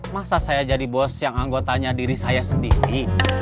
masa saya jadi bos yang anggotanya diri saya sendiri